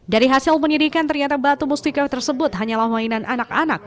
dari hasil penyidikan ternyata batu mustika tersebut hanyalah mainan anak anak